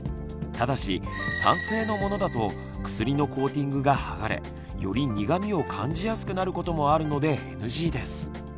ただし酸性のものだと薬のコーティングが剥がれより苦みを感じやすくなることもあるのでＮＧです。